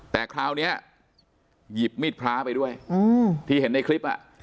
แต่คราวนี้หยิบมีดพระไปด้วยที่เห็นในคลิป